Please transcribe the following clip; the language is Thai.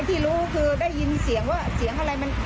แต่ที่รู้คือได้ยินเสียงว่าเสียงอะไรมันมาแล้ว